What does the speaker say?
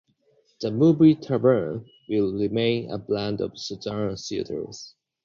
The Movie Tavern will remain a brand of Southern Theatres.